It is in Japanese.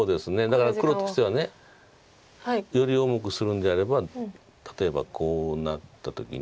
だから黒としてはより重くするんであれば例えばこうなった時に。